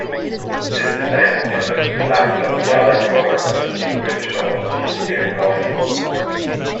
This design is similar to flags of the other Governors in British overseas territories.